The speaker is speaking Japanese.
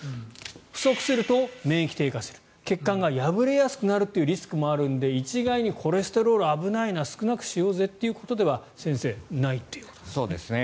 不足すると免疫低下する血管が破れやすくなるというリスクもあるので一概にコレステロール危ないな少なくしようぜということでは先生、ないということですね。